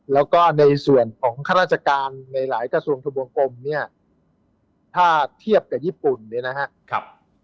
แล้วก็ในส่วนของข้าราชการในหลายกระทรวงทะวงกลมเนี่ยถ้าเทียบกับญี่ปุ่นเนี่ยนะครับ